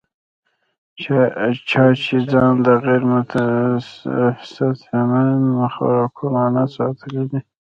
چا چې ځان د غېر صحتمند خوراکونو نه ساتلے دے